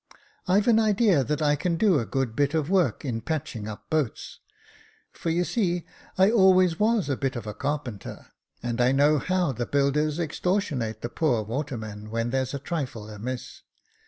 I've an idea that I can do a good bit of work in patching up boats ; for you see I always was a bit of a carpenter, and I know how the builders extortionate the poor water men when there's a trifle amiss.